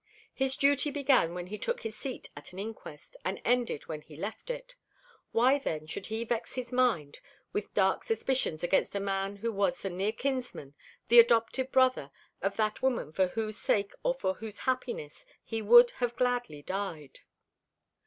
His duty began when he took his seat at an inquest, and ended when he left it. Why, then, should he vex his mind with dark suspicions against a man who was the near kinsman, the adopted brother, of that woman for whose sake or for whose happiness he would have gladly died?